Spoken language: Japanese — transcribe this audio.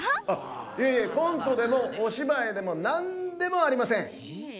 あっいえいえコントでもおしばいでもなんでもありません。